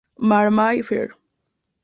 Mar-May, fr.